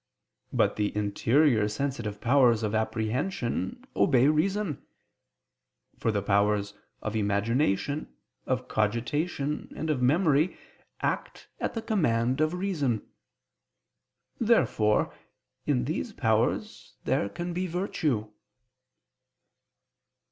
But the interior sensitive powers of apprehension obey reason: for the powers of imagination, of cogitation, and of memory [*Cf. I, Q. 78, A. 4] act at the command of reason. Therefore in these powers there can be virtue.